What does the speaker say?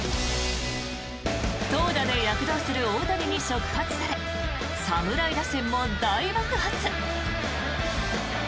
投打で躍動する大谷に触発され侍打線も大爆発。